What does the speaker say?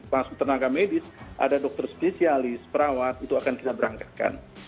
masuk tenaga medis ada dokter spesialis perawat itu akan kita berangkatkan